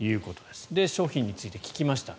商品について聞きました。